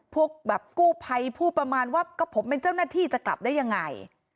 พวกแบบกู้ภัยพูดประมาณว่าก็ผมเป็นเจ้าหน้าที่จะกลับได้ยังไง